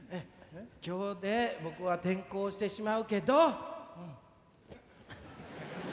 「今日で僕は転校してしまうけど」。